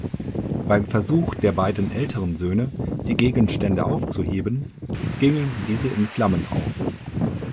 Beim Versuch der beiden älteren Söhne, die Gegenstände aufzuheben, gingen diese in Flammen auf.